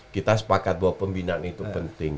kita sepakat bahwa pembinaan itu penting